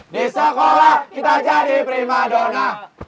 di sekolah kita jadi prima dona